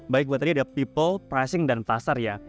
baik buat tadi ada people pricing dan pasar ya